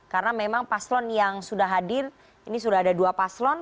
karena memang paslon yang sudah hadir ini sudah ada dua paslon